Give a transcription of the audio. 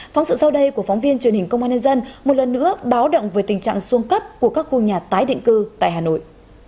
phóng sự sau đây của phóng viên truyền hình công an nhân dân một lần nữa báo động về tình trạng xuân cấp của các khu nhà tái định cư tại hà nội